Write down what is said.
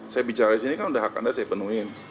saya bicara di sini kan udah hak anda saya penuhi